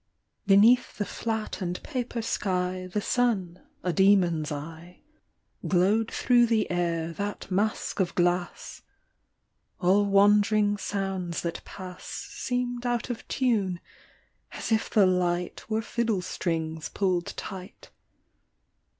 BENEATH the flat and paper sky, The sun, a demon's eye, Glowed through the air, that mask of glass ; All wand'ring sounds that pass Seemed out of tune, as if the light Were fiddle strings pulled tight.